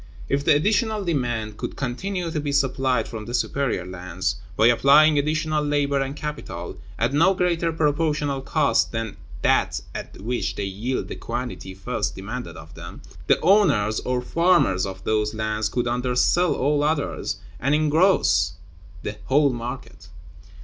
If the additional demand could continue to be supplied from the superior lands, by applying additional labor and capital, at no greater proportional cost than that at which they yield the quantity first demanded of them, the owners or farmers of those lands could undersell all others, and engross the whole market.